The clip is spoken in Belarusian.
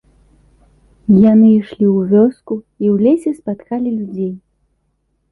Яны ішлі ў вёску і ў лесе спаткалі людзей.